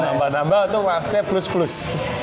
nambah nama itu maksudnya plus plus